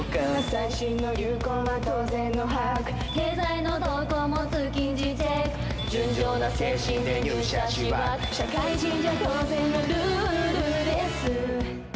「最新の流行は当然の把握」「経済の動向も通勤時チェック」「純情な精神で入社しワーク」「社会人じゃ当然のルールです」